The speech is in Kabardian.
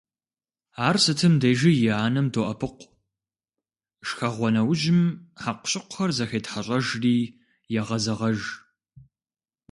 Ар сытым дежи и анэм доӀэпыкъу, шхэгъуэ нэужьым хьэкъущыкъухэр зэхетхьэщӏэжри егъэзэгъэж.